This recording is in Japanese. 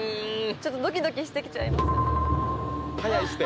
ちょっとドキドキしてきちゃいます早いっすって！